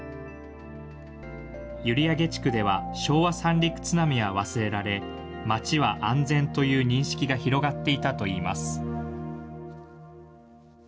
閖上地区では、昭和三陸津波は忘れられ、町は安全という認識が広がっていたといいます。